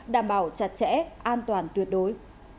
đảm bảo chặt chẽ an toàn tuyệt đối